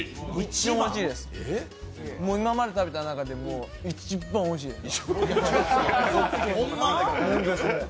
今まで食べた中でいっちばんおいしいです。